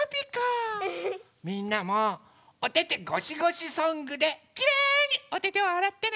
みんなもおててごしごしソングできれにおててをあらってね。